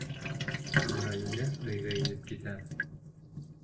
Нурания өйгә инеп китә.